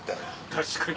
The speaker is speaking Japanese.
確かに。